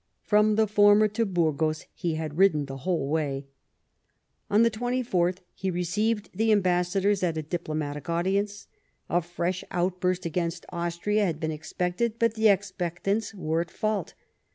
From the former to Burgos he had ridden the whole way. On the 24th he received the ambassadors at a diplomatic audience. A fresh outburst against Austria had been expected; but the expectants were at fault.